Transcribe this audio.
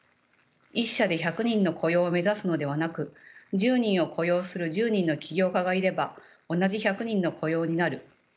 １社で１００人の雇用を目指すのではなく１０人を雇用する１０人の起業家がいれば同じ１００人の雇用になる。